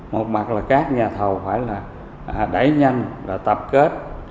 một mặt là các nhà thầu phải là đẩy nhanh tập kết